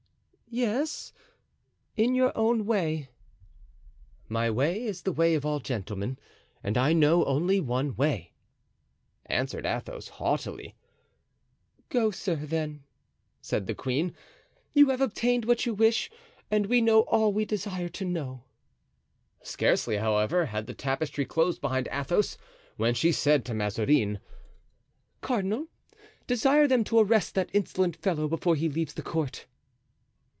"Yes, in your own way." "My way is the way of all gentlemen, and I know only one way," answered Athos, haughtily. "Go, sir, then," said the queen; "you have obtained what you wish and we know all we desire to know." Scarcely, however, had the tapestry closed behind Athos when she said to Mazarin: "Cardinal, desire them to arrest that insolent fellow before he leaves the court."